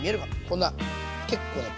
こんな結構ね